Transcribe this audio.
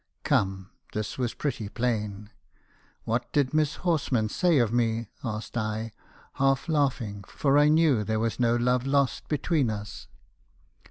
" Come ! this was pretty plain. "'What did Miss Horsman say of me?' asked I, half laughing, for I knew there was no love lost between us.